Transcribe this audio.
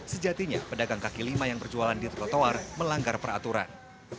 sejatinya pedagang kaki lima yang berjualan di trotoar melanggar peraturan